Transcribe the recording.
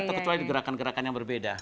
atau kecuali gerakan gerakan yang berbeda